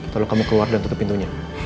lalu kamu keluar dan tutup pintunya